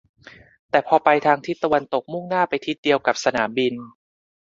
แต่พอไปทางทิศตะวันตกมุ่งหน้าไปทิศเดียวกับสนามบิน